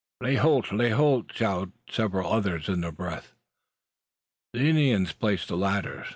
"Lay holt! lay holt!" shouted several others in a breath. The Indians place the ladders.